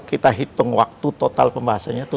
kita hitung waktu total pembahasannya itu